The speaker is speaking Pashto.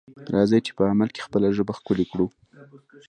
راځئ چې په عمل کې خپله ژبه ښکلې کړو.